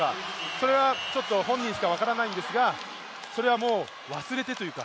それは本人しか分からないんですが、それは忘れてというか。